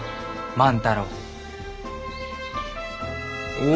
万太郎。